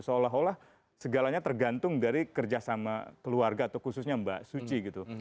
seolah olah segalanya tergantung dari kerjasama keluarga atau khususnya mbak suci gitu